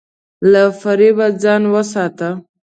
له فریب ځان وساته.